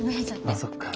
あそっか。